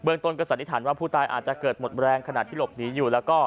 เบื้องตนกับสัณหภัณฑ์ว่าผู้ตายอาจจะเกิดหมดแรงขณะที่หลบหนีอยู่แล้วก็